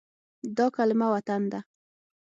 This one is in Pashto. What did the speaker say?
دا کلمه “وطن” ده.